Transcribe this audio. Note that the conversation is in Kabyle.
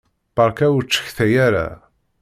Beṛka ur ttcetkay ara!